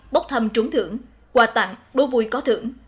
bốc thăm trúng thưởng quà tặng đu vui có thưởng